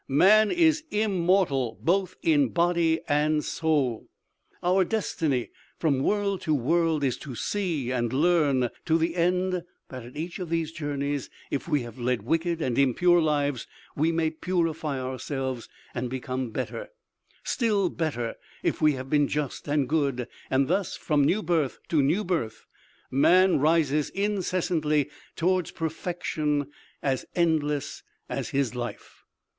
Man is immortal both in body and soul. Our destiny from world to world is to see and learn, to the end that at each of these journeys, if we have led wicked and impure lives, we may purify ourselves and become better still better if we have been just and good; and that thus, from new birth to new birth man rises incessantly towards perfection as endless as his life!"